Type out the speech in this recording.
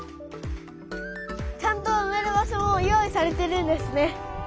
ちゃんとうめる場所も用意されてるんですね。